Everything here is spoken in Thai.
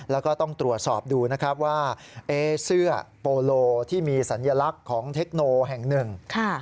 แล้วก็ต้องตรวจสอบดูนะครับว่าเสื้อโปโลที่มีสัญลักษณ์ของเทคโนแห่งหนึ่ง